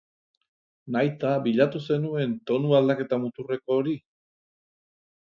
Nahita bilatu zenuen tonu aldaketa muturreko hori?